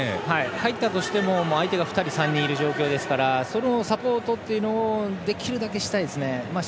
入ったとしても相手が２人、３人いる状態でそのサポートをできるだけしたいですね。